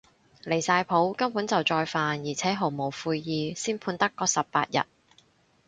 離晒譜，根本就再犯而且毫無悔意，先判得嗰十八日